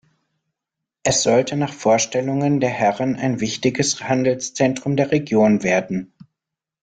Es sollte nach Vorstellungen der Herren ein wichtiges Handelszentrum der Region werden.